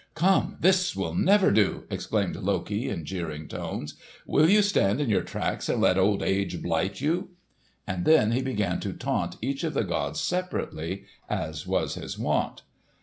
"Come, this will never do!" exclaimed Loki in jeering tones. "Will you stand in your tracks and let old age blight you?" And then he began to taunt each of the gods separately, as was his wont.